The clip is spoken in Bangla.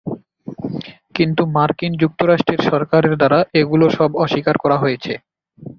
কিন্তু মার্কিন যুক্তরাষ্ট্রের সরকারের দ্বারা এগুলো সব অস্বীকার করা হয়েছে।